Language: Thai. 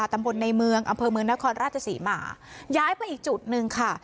ตำบลในเมืองอำเภอเมืองนครราชศรีมาย้ายไปอีกจุดหนึ่งค่ะ